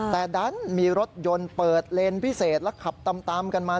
แต่ดันมีรถยนต์เปิดเลนส์พิเศษและขับตามกันมา